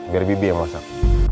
biar bibi yang masak